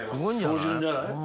標準じゃない？